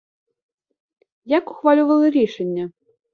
Як ухвалювали рішення?